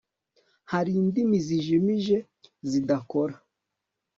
hari indimi zijimije zidakora